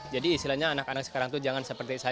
jadi istilahnya anak anak sekarang itu jangan seperti saya